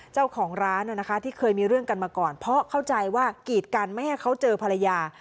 เจ้าของร้านที่เคยมีเรื่องกันมาก่อนเพราะเข้าใจว่ากีดกันไม่ให้เขาเจอภรรยา